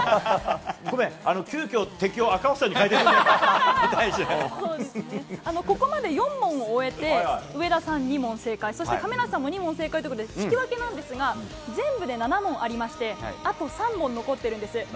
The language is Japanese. ごめん、急きょ、ここまで４問を終えて、上田さん２問正解、そして亀梨さんも２問正解ということで、引き分けなんですが、全部で７問ありまして、あと３問残ってるんです。